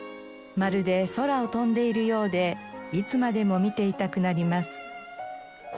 まるで空を飛んでいるようでいつまでも見ていたくなります。